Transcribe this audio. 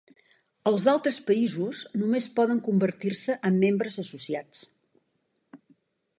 Els d'altres països només poden convertir-se en membres associats.